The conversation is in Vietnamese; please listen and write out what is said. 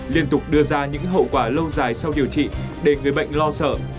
liên tục đưa ra những hậu quả lâu dài sau điều trị để người bệnh lo sợ